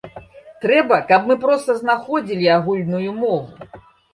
Трэба, каб мы проста знаходзілі агульную мову.